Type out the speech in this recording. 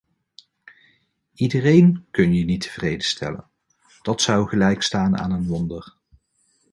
Iedereen kun je niet tevreden stellen, dat zou gelijk staan aan een wonder.